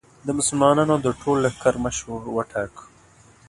د مسلمانانو د ټول لښکر مشر وټاکه.